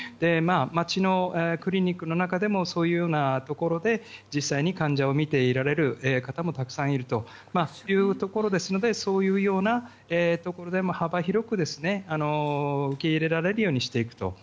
街のクリニックの中でもそういうようなところで実際の患者を診ていられるたくさんいるというところですのでそういうところでも幅広く受け入れられるようにしていくと。